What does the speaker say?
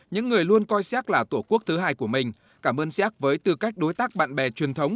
những người luôn coi xác là tổ quốc thứ hai của mình cảm ơn xác với tư cách đối tác bạn bè truyền thống